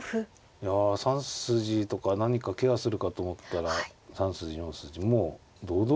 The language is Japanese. いや３筋とか何かケアするかと思ったら３筋４筋もう堂々と攻め合いましたね。